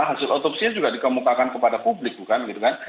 hasil otopsi juga dikemukakan kepada publik bukan